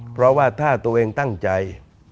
เพราะว่าถ้าตัวเองตั้งใจ